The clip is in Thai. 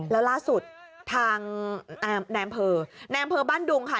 แล้วล่าสุดทางแนมเพอแนมเพอบ้านดุงค่ะ